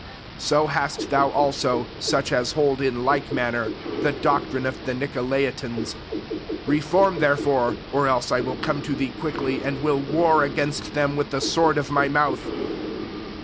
15 So hast thou also such as hold, in like manner, the doctrine of the Nicolaitans. 16 Reform therefore; or else I will come to thee quickly, and will war against them with the sword of my mouth.'